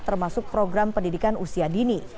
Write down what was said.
termasuk program pendidikan usia dini